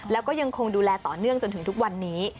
แล้วก็ยังคงดูแลต่อเนื่องจนถึงทุกวันนี้